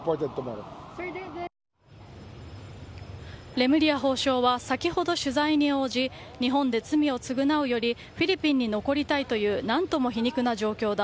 レムリヤ法相は先ほど取材に応じ日本で罪を償うよりフィリピンに残りたいという何とも皮肉な状況だ。